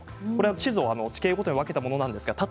地図を地形ごとに分けたものです。